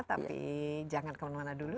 tapi jangan kemana mana dulu